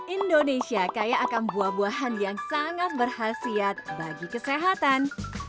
indonesia kaya akan buah buahan yang sangat berhasil bagi kesehatan